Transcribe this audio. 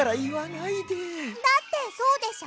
だってそうでしょ？